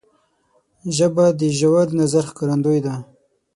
ژبه د ژور نظر ښکارندوی ده